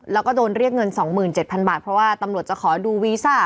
แล้วก็โดนเรียกเงิน๒๗๐๐บาทเพราะว่าตำรวจจะขอดูวีซ่า